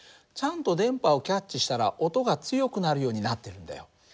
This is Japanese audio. ちゃんと電波をキャッチしたら音が強くなるようになってるんだよ。